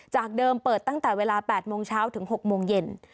จากเดิมเปิดตั้งแต่เวลา๘โมงเช้าถึง๖โมงเย็น